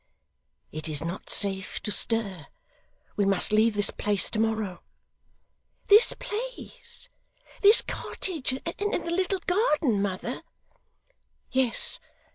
'It is not safe to stir. We must leave this place to morrow.' 'This place! This cottage and the little garden, mother!' 'Yes!